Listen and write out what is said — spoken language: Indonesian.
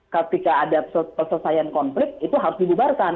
ketika ada perselesaian konflik itu harus dibubarkan